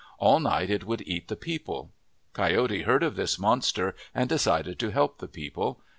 All night it would eat the people. Coyote heard of this monster and de cided to help the people.